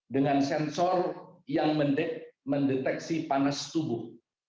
dengan sensor yang mendeteksi panas tubuh